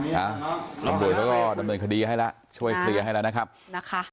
ค่ะอันโดยก็ก็ดำเนินคดีให้แล้วช่วยเคลียร์ให้แล้วนะคะ